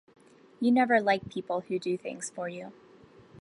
You never like people who do things for you.